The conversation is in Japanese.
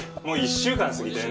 もう１週間過ぎ